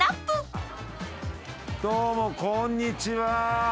どうもこんにちは。